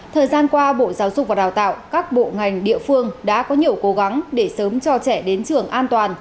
thời gian qua bộ giáo dục và đào tạo các bộ ngành địa phương đã có nhiều cố gắng để sớm cho trẻ đến trường an toàn